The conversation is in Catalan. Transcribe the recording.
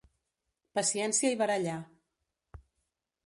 Paciència i barallar.